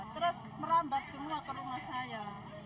terus merambat semua ke rumah saya